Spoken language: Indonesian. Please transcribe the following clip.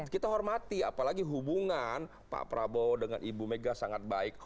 kita hormati apalagi hubungan pak prabowo dengan ibu mega sangat baik